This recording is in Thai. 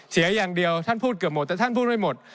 เสียอย่างเดียวท่านพูดเกือบหมดแต่ท่านพูดไม่หมด